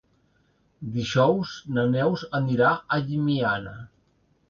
Dijous na Neus anirà a Llimiana.